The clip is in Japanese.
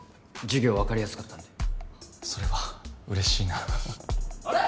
授業分かりやすかったんでそれは嬉しいなあれ？